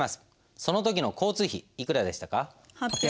その時の交通費いくらでしたか？